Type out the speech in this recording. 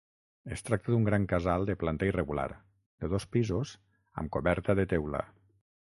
Es tracta d'un gran casal de planta irregular, de dos pisos, amb coberta de teula.